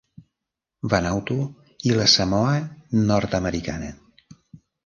Vanuatu i la Samoa Nord-americana.